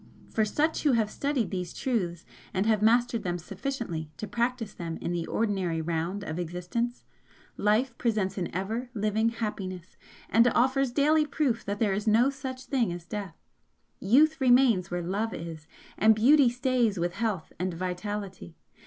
For such who have studied these truths and have mastered them sufficiently to practise them in the ordinary round of existence, Life presents an ever living happiness and offers daily proof that there is no such thing as Death. Youth remains where Love is, and Beauty stays with health and vitality.